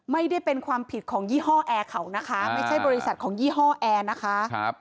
ไม่ได้เป็นความผิดของยี่ห้อแอร์เขานะคะไม่ใช่บริษัทของยี่ห้อแอร์นะคะ